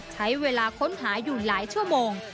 ใช้เวลาค้นหาอยู่หลายชั่วโมง